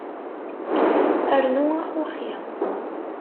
Rnu axuxi.